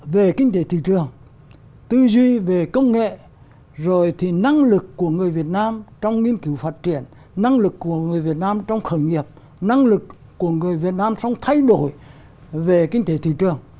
về kinh tế thị trường tư duy về công nghệ rồi thì năng lực của người việt nam trong nghiên cứu phát triển năng lực của người việt nam trong khởi nghiệp năng lực của người việt nam xong thay đổi về kinh tế thị trường